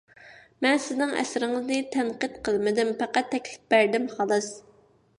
مەن سىزنىڭ ئەسىرىڭىزنى تەنقىد قىلمىدىم، پەقەت تەكلىپ بەردىم، خالاس.